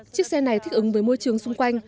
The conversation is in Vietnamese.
chiếc xe này thích ứng với môi trường xung quanh